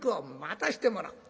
「待たせてもらう」。